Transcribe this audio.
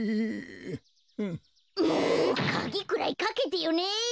かぎくらいかけてよね！